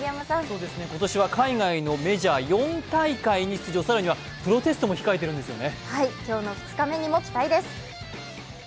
今年は海外のメジャー４大会に出場、更には、プロテストも控えているんですよね。